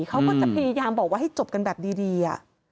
เขาก็จะพยายามบอกว่าให้จบกันแบบดี